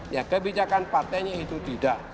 ya kebijakan partainya itu tidak